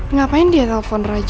ngapain dia telepon raja